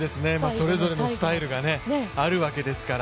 それぞれのスタイルがあるわけですから。